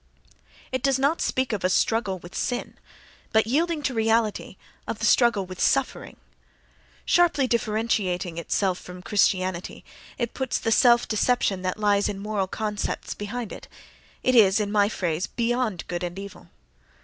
It does not speak of a "struggle with sin," but, yielding to reality, of the "struggle with suffering." Sharply differentiating itself from Christianity, it puts the self deception that lies in moral concepts behind it; it is, in my phrase, beyond good and evil.